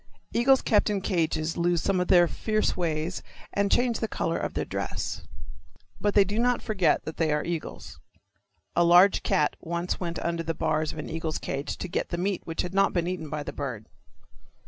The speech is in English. Eagles kept in cages lose some of their fierce ways and change the colors of their dress. But they do not forget that they are eagles. A large cat once went under the bars of an eagle's cage to get the meat which had not been eaten by the bird.